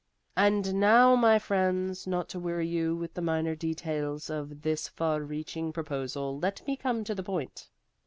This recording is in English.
And now, my friends not to weary you with the minor details of this far reaching proposal let me come to the point.